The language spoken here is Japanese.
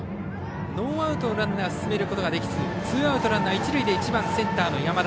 ノーアウトのランナー進めることができずツーアウトで１番センターの山田。